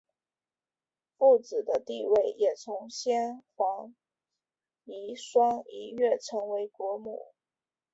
富子的地位也从先皇遗孀一跃成为国母。